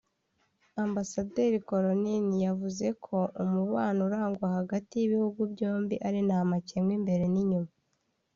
Ambasaderi Cronin yavuze ko umubano urangwa hagati y’ibihugu byombi ari nta makemwa imbere n’inyuma